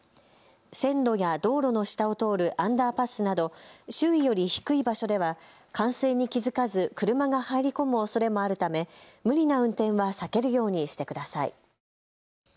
線路や道路の下を通るアンダーパスなど周囲より低い場所では冠水に気付かず車が入り込むおそれもあるため無理な運転は避けるようにしてください。